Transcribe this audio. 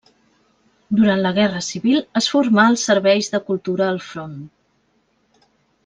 Durant la Guerra civil es formà als Serveis de Cultura al Front.